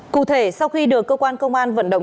cụ thể sau khi được cơ quan công an vận động